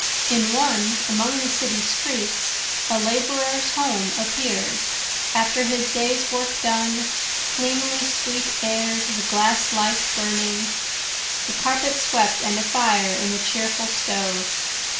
In one, among the city streets a laborer's home appear'd, After his day's work done, cleanly, sweet air'd, the gaslight burning, The carpet swept and a fire in the cheerful stove.